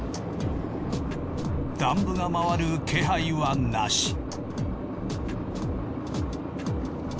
ダンブが回る気配はなし。